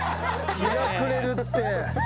日が暮れるって。